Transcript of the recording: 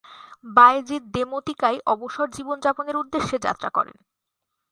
বায়েজীদ দেমোতিকায় অবসর জীবন যাপনের উদ্দেশ্যে যাত্রা করেন।